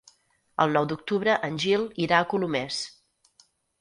El nou d'octubre en Gil irà a Colomers.